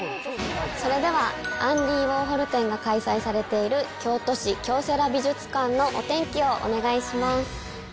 それでは、アンディ・ウォーホル展が開催されている、京都市京セラ美術館のお天気をお願いします。